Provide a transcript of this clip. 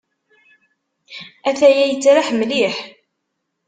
Atay-a yettraḥ mliḥ.